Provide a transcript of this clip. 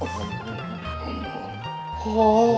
bocork sampe bujut